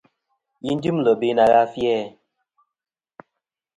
Yi dyɨmlɨ be na gha a fi-æ ?